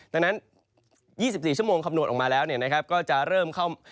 ดังนั้น๒๔ชั่วโมงคำโนตออกมาแล้วเนี่ยนะครับก็จะเริ่มเข้า